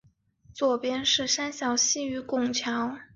右边是三峡溪与拱桥